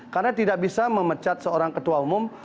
karena tidak bisa memecat seorang ketua umum